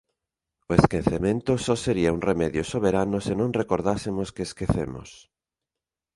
O esquecemento só sería un remedio soberano se non recordásemos que esquecemos.